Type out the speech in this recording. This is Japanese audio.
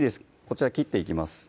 こちら切っていきます